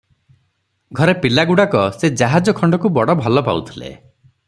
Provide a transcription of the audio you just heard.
ଘରେ ପିଲାଗୁଡ଼ାକ ସେ ଜାହାଜ ଖଣ୍ଡକୁ ବଡ଼ ଭଲ ପାଉଥିଲେ ।